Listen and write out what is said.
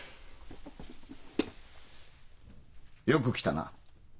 よく来たな。